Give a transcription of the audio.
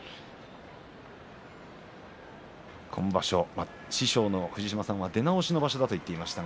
今場所、師匠の藤島さんは出直しの場所だと言っていました。